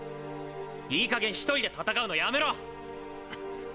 いいかげん一人で戦うのやめろ！